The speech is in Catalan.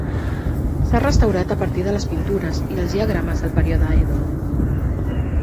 S'ha restaurat a partir de les pintures i els diagrames del període Edo.